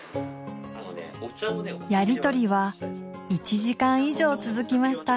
やりとりは１時間以上続きました。